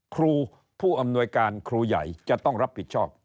ครูผู้อำนวยการครูใหญ่จะต้องรับผิดชอบ